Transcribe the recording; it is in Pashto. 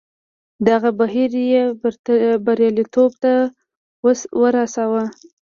دغه بهیر یې بریالیتوب ته ورساوه.